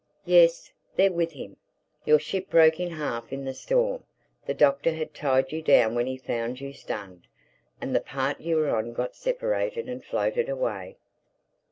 "Yes, they're with him. Your ship broke in half in the storm. The Doctor had tied you down when he found you stunned. And the part you were on got separated and floated away.